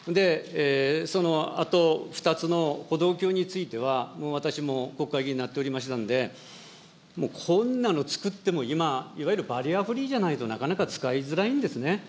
そのあと２つの歩道橋については、私も国会議員になっておりましたんで、こんなの造っても今、いわゆるバリアフリーじゃないと、なかなか使いづらいんですね。